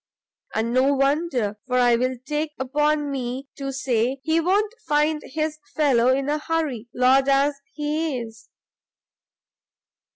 And no wonder, for I will take upon me to say he won't find his fellow in a hurry, Lord as he is."